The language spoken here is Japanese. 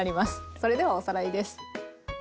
それではおさらいです。